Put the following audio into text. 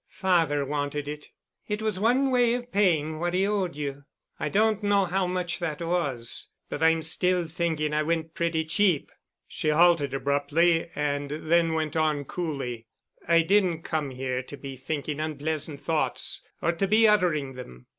"Father wanted it. It was one way of paying what he owed you. I don't know how much that was, but I'm still thinking I went pretty cheap." She halted abruptly and then went on coolly, "I didn't come here to be thinking unpleasant thoughts—or to be uttering them.